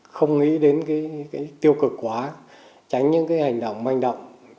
không nghĩ đến cái tiêu cực quá tránh những hành động manh động